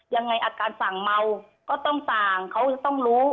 ยังไงอาการสั่งเมาก็ต้องสั่งเขาจะต้องรู้